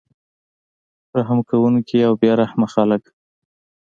رحم کوونکي او بې رحمه خلک